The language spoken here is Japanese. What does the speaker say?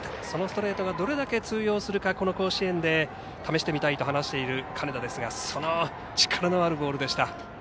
そのストレートがどれだけ通用するかこの甲子園で試してみたいと話している金田ですがその力のあるボールでした。